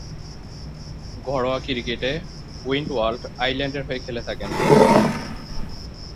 ঘরোয়া ক্রিকেটে উইন্ডওয়ার্ড আইল্যান্ডের হয়ে খেলে থাকেন।